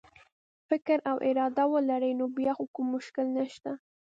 فکر او اراده ولري نو بیا خو کوم مشکل نشته.